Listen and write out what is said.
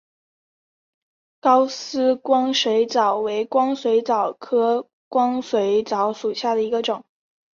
高斯光水蚤为光水蚤科光水蚤属下的一个种。